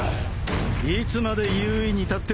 いつまで優位に立ってるつもりだ？